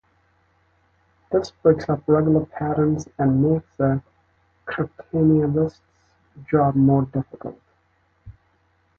This breaks up regular patterns and makes the cryptanalyst's job more difficult.